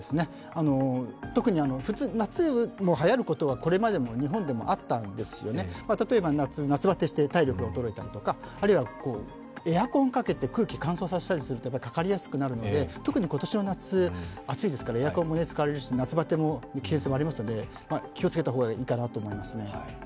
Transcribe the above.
特に夏、はやることはこれまで日本もあったんですけれども、例えば夏、夏バテして体力が衰えたりとかあるいはエアコンかけて空気乾燥させたりするとかかりやすくなるので、特に今年の夏、暑いですからエアコンも使われるし夏バテするケースもありますよね、気をつけた方がいいと思います。